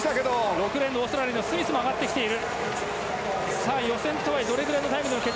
６レーンのオーストラリアのスミスも上がってきている。